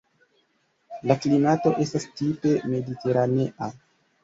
La klimato estas tipe mediteranea.